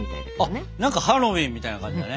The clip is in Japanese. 何かハロウィーンみたいな感じだね。